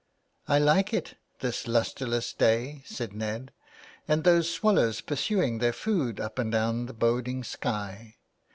" I like it, this lustreless day," said Ned, " and those swallows pursuing their food up and down the boding sky.